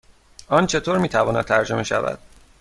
آن چطور می تواند ترجمه شود؟